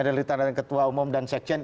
dari tanah ketua umum dan seksien